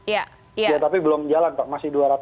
ya tapi belum jalan pak masih dua ratus triliun kemarin kan